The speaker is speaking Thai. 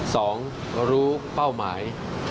สองรู้เป้าหมาย